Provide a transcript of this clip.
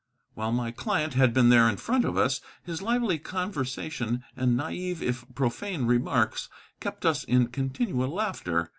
While my client had been there in front of us, his lively conversation and naive if profane remarks kept us in continual laughter.